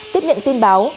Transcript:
tiếp nhận tin báo